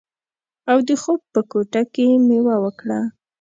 او د خوب په کوټه کې یې میوه وکړه